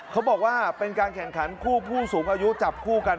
เขาบอกว่าเป็นการแข่งขันคู่ผู้สูงอายุจับคู่กัน